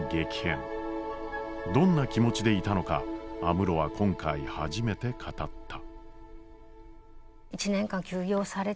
どんな気持ちでいたのか安室は今回初めて語った。